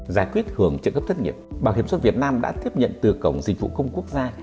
giải quyết hưởng trợ cấp thất nghiệp bảo hiểm xuất việt nam đã tiếp nhận từ cổng dịch vụ công quốc gia